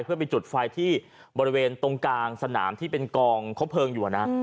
เพื่อไปจุดไฟที่บริเวณตรงกลางสนามที่เป็นกองคบเพลิงอยู่นะ